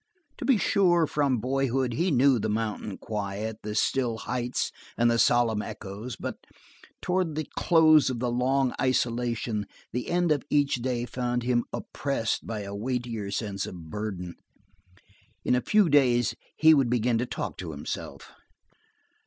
To be sure, from boyhood he knew the mountain quiet, the still heights and the solemn echoes, but towards the close of the long isolation the end of each day found him oppressed by a weightier sense of burden; in a few days he would begin to talk to himself.